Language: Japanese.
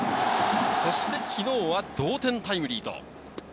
そして昨日は同点タイムリー。